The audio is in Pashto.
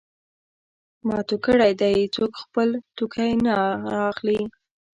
ما تو کړی دی؛ څوک خپل توکی نه رااخلي.